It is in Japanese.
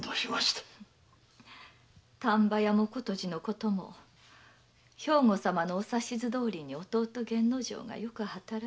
丹波屋も琴路のことも兵庫様のお指図どおりに弟・源之丞がよく働いた。